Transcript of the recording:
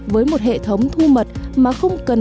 với một hệ thống thu mật mà không cần